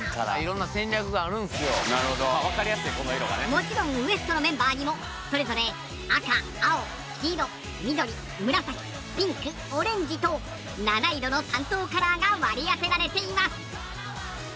もちろんＷＥＳＴ．のメンバーにもそれぞれ赤青黄色緑紫ピンクオレンジと七色の担当カラーが割り当てられています。